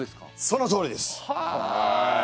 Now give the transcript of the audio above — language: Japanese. そのとおりです。